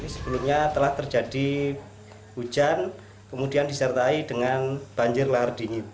sebelumnya telah terjadi hujan kemudian disertai dengan banjir lahar dingin